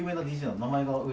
名前が売